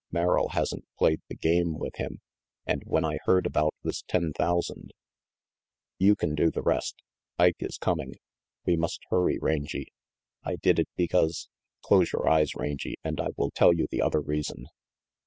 Merrill hasn't played the game with hun, and when I heard about this ten thousand you can do the rest Ike is coming. We must hurry, Rangy I did it because close your eyes. Rangy, and I will tell you the other reason."